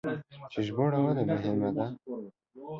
چې ژباړه ولې مهمه ده؟